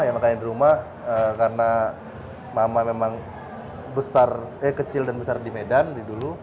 ya makanya di rumah karena mama memang kecil dan besar di medan dulu